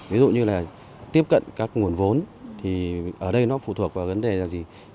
ví dụ như là tiếp cận các nguồn vốn thì ở đây nó phụ thuộc vào vấn đề là gì